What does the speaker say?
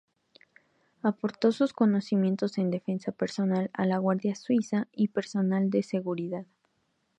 Aportó sus conocimientos en defensa personal a la Guardia Suiza y personal de seguridad.